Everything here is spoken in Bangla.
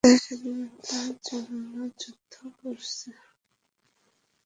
তারা স্বাধীনতার জন্য যুদ্ধ করছে।